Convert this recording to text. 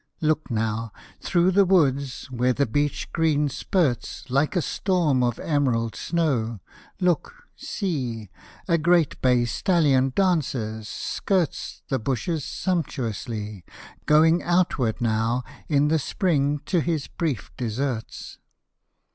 Look now, through the woods where the beech green spurts Like a storm of emerald snow, look, see A great bay stallion dances, skirts The bushes sumptuously, Going outward now in the spring to his brief deserts.